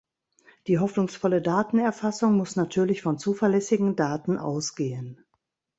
Die hoffnungsvolle Datenerfassung muss natürlich von zuverlässigen Daten ausgehen.